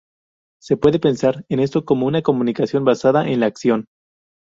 Se puede pensar en esto como una comunicación basada en la acción.